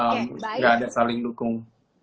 oke baik nggak ada saling dukung